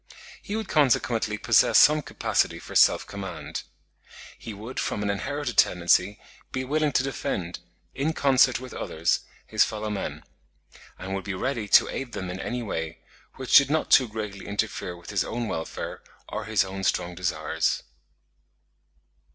He would consequently possess some capacity for self command. He would from an inherited tendency be willing to defend, in concert with others, his fellow men; and would be ready to aid them in any way, which did not too greatly interfere with his own welfare or his own strong desires.